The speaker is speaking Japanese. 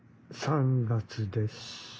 ３月です。